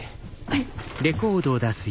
はい。